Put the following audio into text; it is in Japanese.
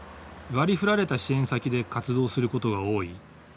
割りふられた支援先で活動することが多い